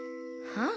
はあ？